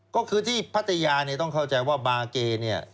ก็คือที่พัทยาเนี่ยต้องเข้าใจว่าบาเกเนี่ย